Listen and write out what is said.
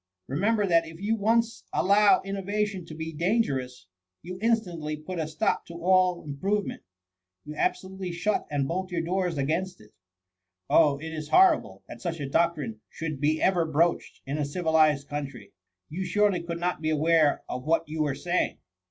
Remember, that if you once allow innovation to be dan gerous, you instantly put a stop to all improve ment — ^you absolutely shut and bolt your doors against it. Oh ! it is horrible, that such a doc THE MUHMY« 117 trine should be ever broached in a civilized country. You surely could not be aware of what you were saying